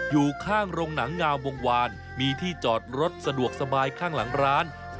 อยู่ข้างโรงหนังงามวงวานมีที่จอดรถสะดวกสบายข้างหลังร้าน